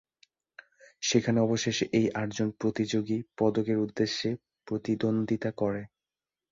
সেখানে অবশেষে এই আটজন প্রতিযোগী পদকের উদ্দেশ্যে প্রতিদ্বন্দ্বিতা করে।